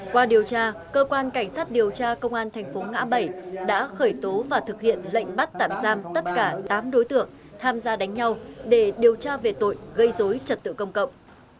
qua điều tra cơ quan cảnh sát điều tra công an thành phố ngã bảy đã khởi tố và thực hiện lệnh bắt tạm giam tất cả tám đối tượng tham gia đánh nhau để điều tra về tội gây dối trật tự công cộng